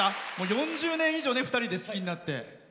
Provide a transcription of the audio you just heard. ４０年以上２人でファンになって。